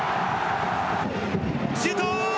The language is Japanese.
シュート。